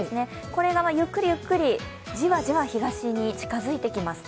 これがゆっくりゆっくり、じわじわ東に近づいてきます。